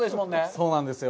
そうなんですよ。